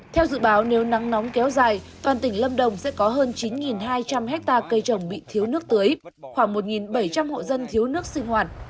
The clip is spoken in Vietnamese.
theo dự báo nếu nắng nóng kéo dài toàn tỉnh lâm đồng sẽ có hơn chín hai trăm linh hectare cây trồng bị thiếu nước tưới khoảng một bảy trăm linh hộ dân thiếu nước sinh hoạt